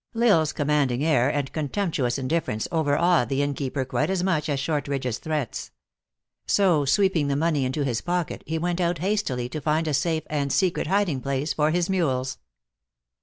L Isle s commanding air and contemptuous indiffer ence overawed the innkeeper quite as much as Short ridge s threats. So, sweeping the money into his pocket, he went out hastily to find a safe and secret hiding place for his mules.